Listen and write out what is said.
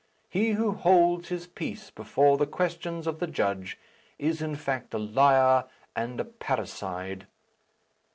He who holds his peace before the questions of the judge is in fact a liar and a parricide."